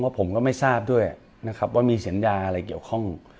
เพราะผมก็ไม่ทราบด้วยนะครับว่ามีสัญญาอะไรเกี่ยวข้อง